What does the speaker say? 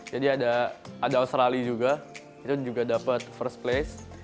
jadi ada australia juga itu juga dapet first place